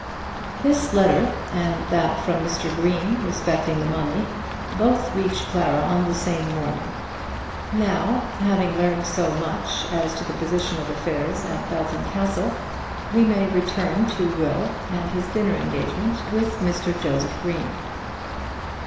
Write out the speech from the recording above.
This letter, and that from Mr. Green respecting the money, both reached Clara on the same morning. Now, having learned so much as to the position of affairs at Belton Castle, we may return to Will and his dinner engagement with Mr. Joseph Green.